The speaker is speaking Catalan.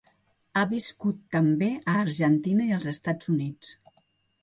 Ha viscut també a Argentina i als Estats Units.